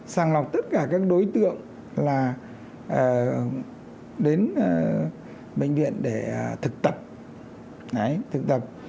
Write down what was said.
sàng lọc tất cả các đối tượng là đến bệnh viện để thực tập